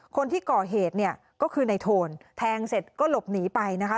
คนที่ก่อเหตุเนี่ยก็คือในโทนแทงเสร็จก็หลบหนีไปนะคะ